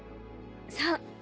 そう。